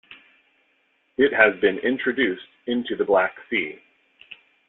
It has been introduced into the Black Sea.